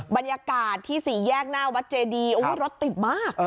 บรรยากาศที่สี่แยกหน้าวัดเจดีโอ้ยรถติดมาก